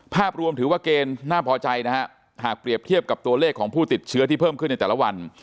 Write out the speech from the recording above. ภาพรวมถือว่าเกณฑ์น่าพอใจนะฮะหากเปรียบเทียบกับตัวเลขของผู้ติดเชื้อที่เพิ่มขึ้นในแต่ละวัน